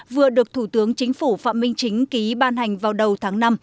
vừa được thủ tướng chính phủ phạm minh chính ký ban hành vào đầu tháng năm